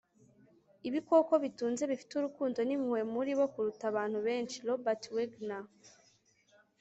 ibikoko bitunze bifite urukundo n'impuhwe muri bo kuruta abantu benshi. - robert wagner